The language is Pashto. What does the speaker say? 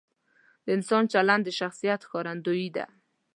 د انسان چلند د شخصیت ښکارندوی دی.